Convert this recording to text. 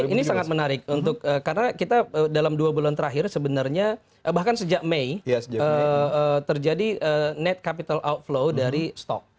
ini sangat menarik karena kita dalam dua bulan terakhir sebenarnya bahkan sejak mei terjadi net capital outflow dari stok